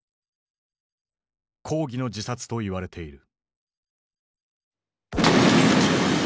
抗議の自殺といわれている。